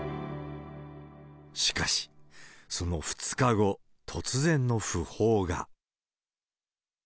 しかし、その２日後、突然の訃報が。